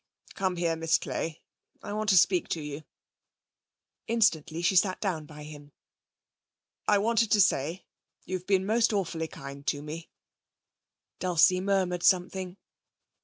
'Come here, Miss Clay. I want to speak to you.' Instantly she sat down by him. 'I wanted to say you've been most awfully kind to me.' Dulcie murmured something.